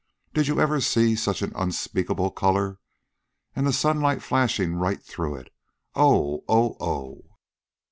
Did you ever see such an unspeakable color? And the sunlight flashing right through it! Oh! Oh! Oh!"